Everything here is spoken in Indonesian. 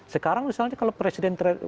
sekarang misalnya kalau presiden